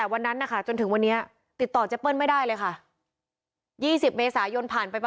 วันนี้๑๕มิถุนายนแล้ว